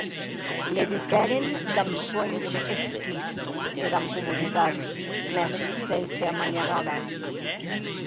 L’eduquèren damb suenhs esquists e damb comoditats, mès sense amanhagada.